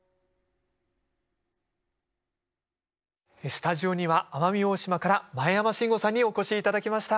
スタジオには奄美大島から前山真吾さんにお越しいただきました。